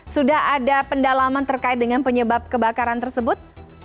sudah ada pendalaman terkait dengan penyebab kebakaran tersebut